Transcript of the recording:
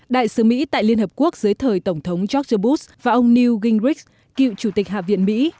đại sứ mỹ tại liên hợp quốc dưới thời tổng thống george bus và ông new gingrich cựu chủ tịch hạ viện mỹ